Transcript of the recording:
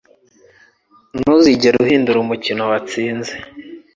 Ntuzigere uhindura umukino watsinze;